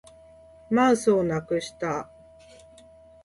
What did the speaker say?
マウスをなくした